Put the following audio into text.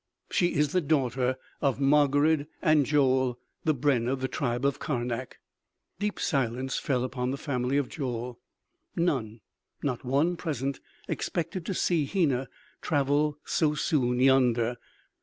She is the daughter of Margarid and Joel, the brenn of the tribe of Karnak!" Deep silence fell upon the family of Joel. None, not one present, expected to see Hena travel so soon yonder.